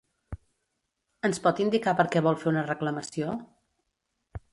Ens pot indicar per què vol fer una reclamació?